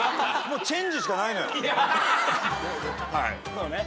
もうチェンジしかないのよ。